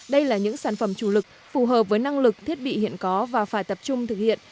đây là những sản phẩm chủ lực phù hợp với năng lực thiết bị hiện có và phải tập trung thực hiện